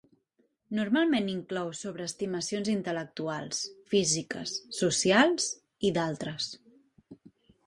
Normalment inclou sobreestimacions intel·lectuals, físiques, socials i d'altres.